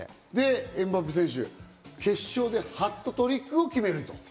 エムバペ選手、決勝でハットトリックを決める。